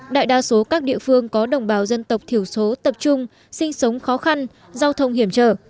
đại đa số các địa phương có đồng bào dân tộc thiểu số tập trung sinh sống khó khăn giao thông hiểm trở